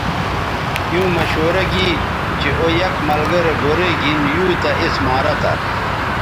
ایووں مشورہ گی چہء او یک ملگرے گورئ گِھن یُو تہ اس مارہ تھہ